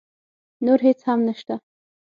نور هېڅ هم نه شته.